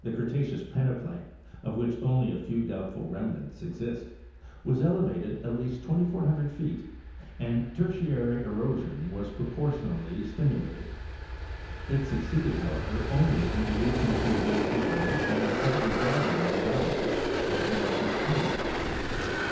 The Creta ceous peneplain, of which only a few doubtful remnants exist, was elevated at least 2,400 feet and Tertiary erosion was propor tionally stimulated. It succeeded, however, only in reducing to baselevel and slightly broadening the valleys of the larger streams.